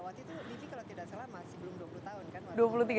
waktu itu divi kalau tidak salah masih belum dua puluh tahun kan